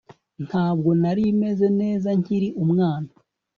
Ntabwo nari meze neza nkiri umwana